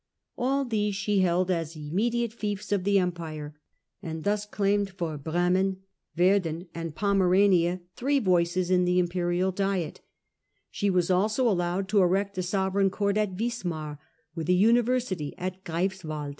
All these she held as imme diate fiefs of the Empire, and thus claimed for Bremen, Verden, ai^l Pomerania three voices in the imperial Diet 1648. Peace of Westphalia. 7 She was also allowed to erect a sovereign court at Wismat, with a university at Greifswald.